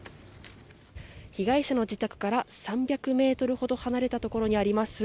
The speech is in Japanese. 被害者の自宅から３００ｍほど離れたところにあります